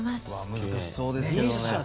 難しそうですけどね。